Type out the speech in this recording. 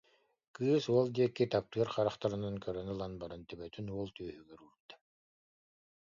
Кыыс уол диэки таптыыр харахтарынан көрөн ылан баран, төбөтүн уол түөһүгэр уурда